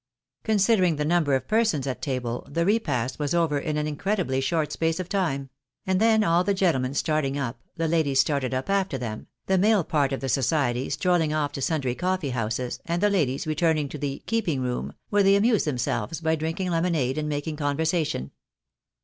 Considering the number of persons at table, the repast was over in an incredibly short space of time ; and then all the gentlemen starting up, the ladies started up after them, the male part of the society strolling off to sundry coffee houses, and the ladies returning to the " keeping room," where they amused themselves by drinking lemonade and making conversation.